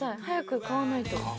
早く買わないと。